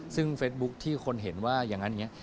ซึ่งเฟซบุ๊คที่คนเห็นว่าอย่างนั้นอย่างนี้